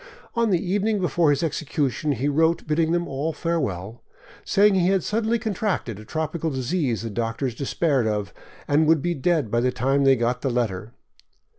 On the evening before his execution he wrote bidding them all farewell, saying he had suddenly contracted a tropical disease the doctors despaired of, and would be dead by the time they got the letter.